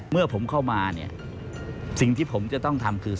เมื่อผมเข้ามาเนี่ยสิ่งที่ผมจะต้องทำคือ